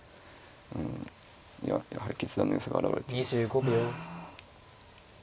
うんやはり決断のよさが表れてますね。